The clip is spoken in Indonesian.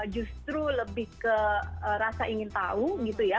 justru lebih ke rasa ingin tahu gitu ya